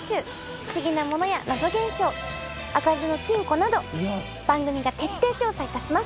不思議なものや謎現象開かずの金庫など番組が徹底調査いたします。